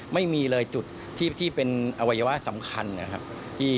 ไม่มีเลยจุดที่เป็นอวัยวะสำคัญนะครับ